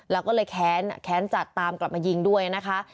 แล้วก็เลยแค้นจัดตามกลับมายิงด้วยนะคะ